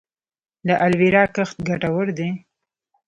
د الوویرا کښت ګټور دی؟